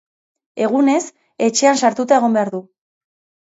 Egunez, etxean sartuta egon behar du.